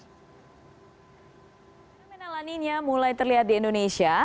fenomena lani nari mulai terlihat di indonesia